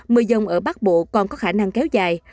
mưa dông ở bắc bộ còn có khả năng kéo dài